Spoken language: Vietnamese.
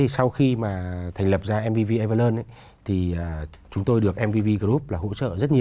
sau khi mà thành lập ra mvv evalon thì chúng tôi được mvv group hỗ trợ rất nhiều